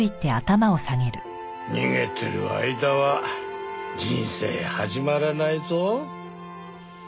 逃げてる間は人生始まらないぞ。